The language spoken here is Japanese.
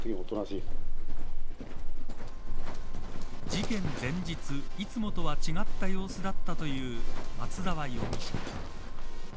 事件前日、いつもとは違った様子だったという松沢容疑者。